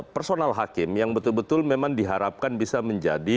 personal hakim yang betul betul memang diharapkan bisa menjadi